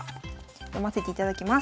読ませていただきます。